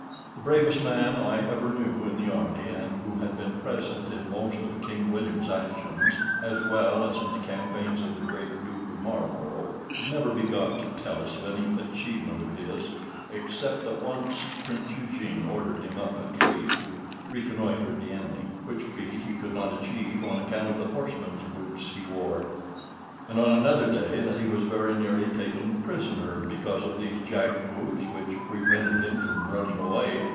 The bravest man I ever knew in the army, and who had been present in most of King William's actions, as well as in the campaigns of the great Duke of Marlborough, could never be got to tell us of any achievement of his, except that once Prince Eugene ordered him up a tree to reconnoitre the enemy, which feat he could not achieve on account of the horseman's boots he wore; and on another day that he was very nearly taken prisoner because of these jack boots, which prevented him from running away.